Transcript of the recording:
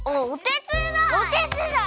「おてつだい」！